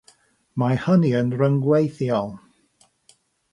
Mae hynny'n rhyngweithiol.